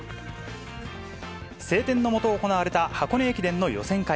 晴天の下、行われた箱根駅伝の予選会。